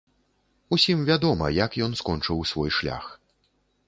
Усім вядома, як ён скончыў свой шлях.